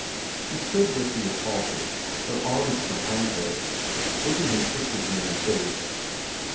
She stood where she had halted, her arms behind her, looking him fixedly in the face.